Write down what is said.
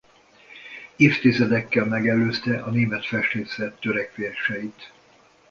Évtizedekkel megelőzte a német festészet törekvéseit.